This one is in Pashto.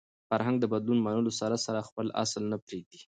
فرهنګ د بدلون منلو سره سره خپل اصل نه پرېږدي.